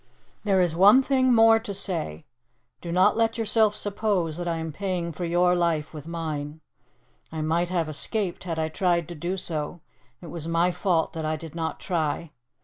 "There is one thing more to say. Do not let yourself suppose that I am paying for your life with mine. I might have escaped had I tried to do so it was my fault that I did not try.